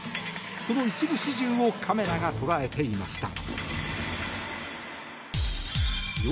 その一部始終をカメラが捉えていました。